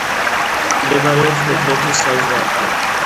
მდებარეობს თათრეთის საზღვართან.